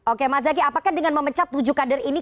oke mas zaky apakah dengan memecat tujuh kader ini